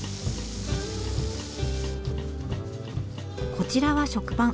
こちらは食パン。